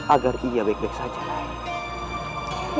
agar ia baik baik saja lah